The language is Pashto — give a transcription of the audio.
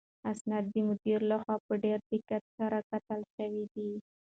اسناد د مدیر لخوا په ډېر دقت سره کتل شوي دي.